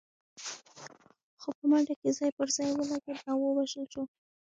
خو په منډه کې ځای پر ځای ولګېد او ووژل شو.